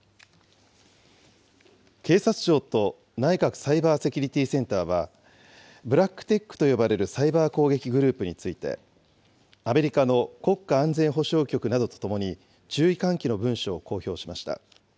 警察庁と内閣サイバーセキュリティセンターは、ＢｌａｃｋＴｅｃｈと呼ばれるサイバー攻撃グループについて、アメリカの国家安全保障局などとともに、注意喚起の文書を公表しました。